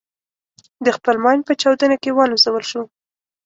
د خپل ماین په چاودنه کې والوزول شو.